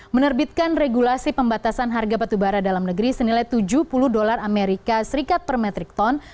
menerbitkan regulasi pembatasan harga batubara dalam negeri senilai tujuh puluh dolar amerika serikat per metrik ton